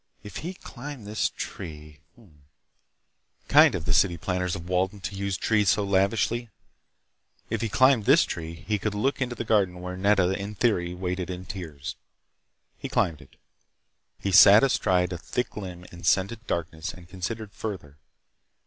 If he climbed this tree,—hm m m.... Kind of the city planners of Walden to use trees so lavishly—if he climbed this tree he could look into the garden where Nedda in theory waited in tears. He climbed it. He sat astride a thick limb in scented darkness and considered further.